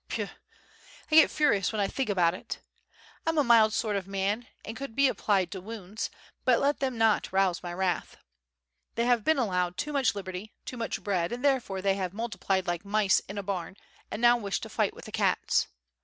Puh! I get furious when I think about it. 1 am a mild sort of a man and could be applied to wounds, but let them not rouse my wrath! They have been allowed too much liberty, too much bread, therefore they have mul tiplied like mice in a barn and now wish to fight with the cats.